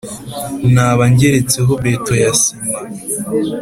Naba ngeretseho beto ya sima